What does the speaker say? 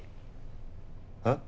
えっ？